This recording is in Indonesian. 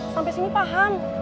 sampai sini paham